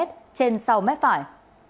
trên sau mép phải